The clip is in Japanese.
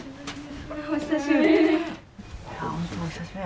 本当お久しぶり。